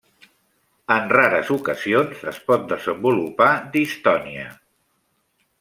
En rares ocasions, es pot desenvolupar distonia.